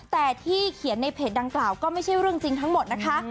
แต่ที่เขียนในเพจดังกล่าวก็ไม่ใช่เรื่องจริงทั้งหมดนะคะ